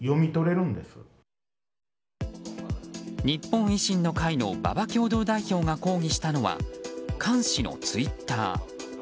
日本維新の会の馬場共同代表が抗議したのは菅氏のツイッター。